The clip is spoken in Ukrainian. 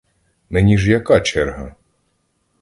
Мені ж яка черга?